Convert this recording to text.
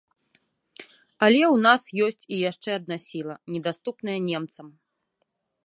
Але ў нас ёсць і яшчэ адна сіла, недаступная немцам.